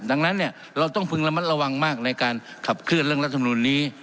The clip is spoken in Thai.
ดังนั้นเนี่ยเราต้องพึงระมัดระวังมากในการขับเคลื่อนเรื่องรัฐมนุนนี้